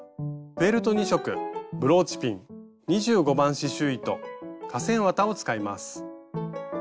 フェルト２色ブローチピン２５番刺しゅう糸化繊綿を使います。